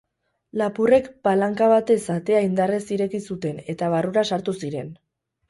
Lapurrek palanka batez atea indarrez ireki zuten eta barrura sartu ziren.